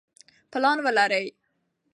پلان ولرئ.